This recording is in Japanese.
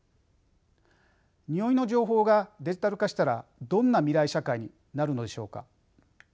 においの情報がデジタル化したらどんな未来社会になるのでしょうか？